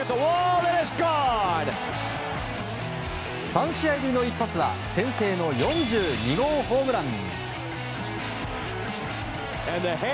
３試合ぶりの一発は先制の４２号ホームラン！